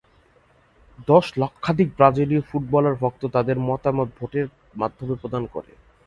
দশ লক্ষাধিক ব্রাজিলীয় ফুটবল ভক্ত তাদের মতামত ভোটের মাধ্যমে প্রদান করে।